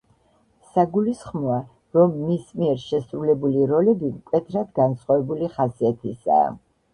საგულისხმოა, რომ მის მიერ შესრულებული როლები მკვეთრად განსხვავებული ხასიათისაა.